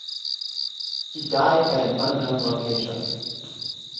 He died at an unknown location.